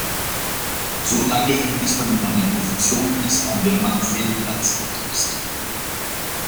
So lange, bis man in einer Position ist, an der man fehlplatziert ist.